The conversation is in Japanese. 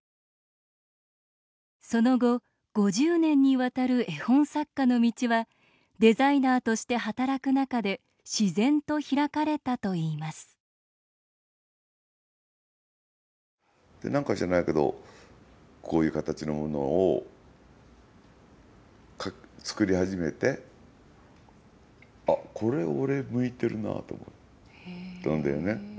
その後、５０年にわたる絵本作家の道はデザイナーとして働く中で自然と開かれたといいますなんか知らないけどこういう形のものを作り始めてあっ、これ、俺、向いてるなと思ったんだよね。